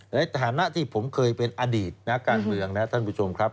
ในฐานะที่ผมเคยเป็นอดีตนักการเมืองนะครับท่านผู้ชมครับ